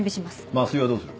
麻酔はどうする？